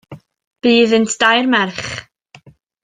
Bu iddynt dair merch.